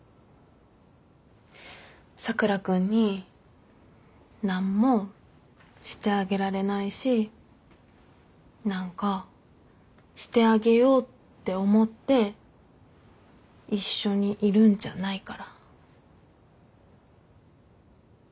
佐倉君に何もしてあげられないし何かしてあげようって思って一緒にいるんじゃないから。